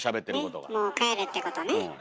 「もう帰れ」ってことね。